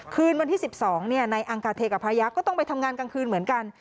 คืนวันที่๑๒นายอังกาเทกับพระยักษ์ก็ต้องไปทำงานกลางคืนเหมือนกัน